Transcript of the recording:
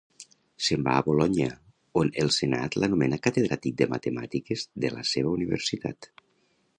Se'n va a Bolonya, on el senat l'anomena catedràtic de matemàtiques de la seva Universitat.